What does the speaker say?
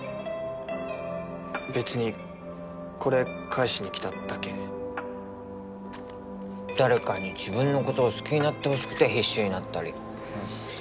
別にこれ返しにきただけ誰かに自分のことを好きになってほしくて必死になったりふふ